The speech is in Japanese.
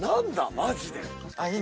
マジで。